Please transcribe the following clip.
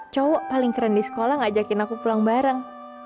cowok paling keren di sekolah ngajakin aku pulang bareng